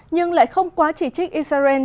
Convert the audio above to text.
nhưng lại không quá chỉ trích israel